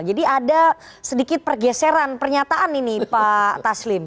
jadi ada sedikit pergeseran pernyataan ini pak taslim